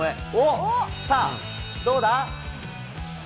さあ、どうだ？